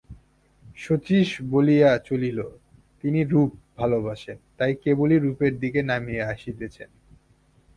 শচীশ বলিয়া চলিল, তিনি রূপ ভালোবাসেন, তাই কেবলই রূপের দিকে নামিয়া আসিতেছেন।